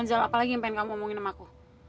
anjal apa lagi yang pengen kamu ngomongin sama aku